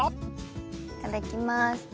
いただきまーす。